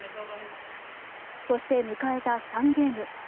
そして、迎えた３ゲーム。